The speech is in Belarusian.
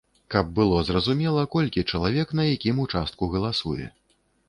Каб было зразумела, колькі чалавек на якім участку галасуе.